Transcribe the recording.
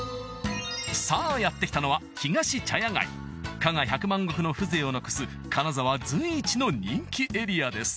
さぁやって来たのは加賀百万石の風情を残す金沢随一の人気エリアです